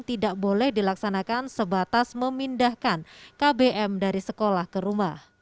tidak boleh dilaksanakan sebatas memindahkan kbm dari sekolah ke rumah